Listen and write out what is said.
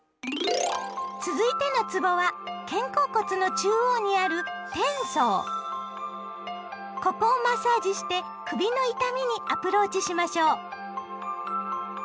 続いてのつぼは肩甲骨の中央にあるここをマッサージして首の痛みにアプローチしましょう。